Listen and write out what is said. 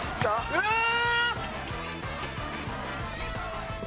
「うわー！」。